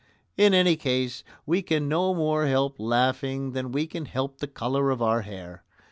In any case, we can no more help laughing than we can help the colour of our hair.